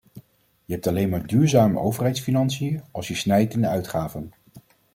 Je hebt alleen maar duurzame overheidsfinanciën, als je snijdt in de uitgaven.